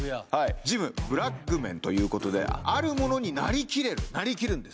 ジムＢｒａｇＭｅｎということであるものになりきれるなりきるんです